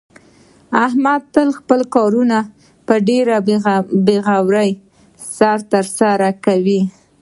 احمد تل خپل کارونه په ډېرې بې غمۍ سره ترسره کوي.